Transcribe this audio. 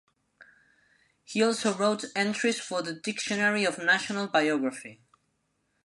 He also wrote entries for the "Dictionary of National Biography".